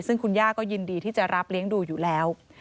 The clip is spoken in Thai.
ซึ่งคุณย่าก็ยินดีที่จะรับเลี้ยงดูอยู่แล้ว